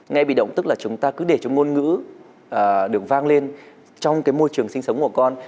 nghe bị động tức là chúng ta cứ để cho ngôn ngữ được vang lên trong cái môi trường sinh sống của con